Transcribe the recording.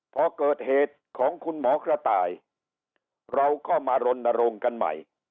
พอเกิดเหตุของคุณหมอกระต่ายเราก็มารณรงค์กันใหม่